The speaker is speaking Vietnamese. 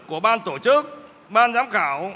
của ban tổ chức ban giám khảo